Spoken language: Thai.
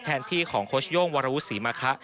แทนที่ของโค้ชโย่งวรวุฒิศรีมะคะ